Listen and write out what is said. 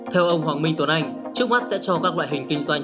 theo ông hoàng minh tuấn anh trước mắt sẽ cho các loại hình kinh doanh